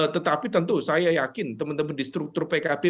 tetapi tentu saya yakin teman teman di struktur pkb